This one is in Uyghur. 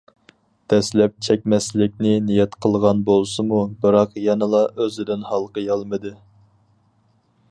دەسلەپ چەكمەسلىكنى نىيەت قىلغان بولسىمۇ بىراق يەنىلا ئۆزىدىن ھالقىيالمىدى.